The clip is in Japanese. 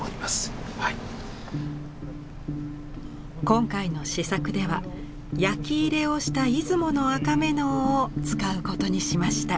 今回の試作では焼き入れをした出雲の赤瑪瑙を使うことにしました。